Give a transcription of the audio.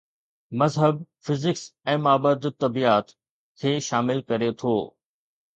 مذهب فزڪس ۽ مابعدالطبعيات کي شامل ڪري ٿو.